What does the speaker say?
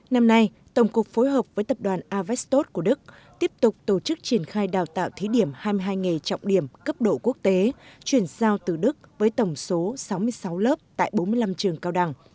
năm nay tổng cục phối hợp với tập đoàn avestot của đức tiếp tục tổ chức triển khai đào tạo thí điểm hai mươi hai nghề trọng điểm cấp độ quốc tế chuyển giao từ đức với tổng số sáu mươi sáu lớp tại bốn mươi năm trường cao đẳng